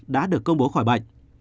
đã được công bố khỏi bệnh